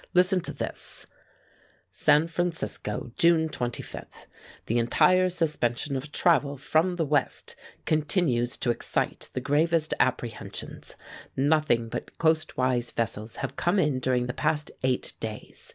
Listen to this: "SAN FRANCISCO, June 25. The entire suspension of travel from the West continues to excite the gravest apprehensions. Nothing but coastwise vessels have come in during the past eight days.